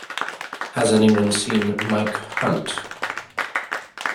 Has anyone seen Mike Hunt?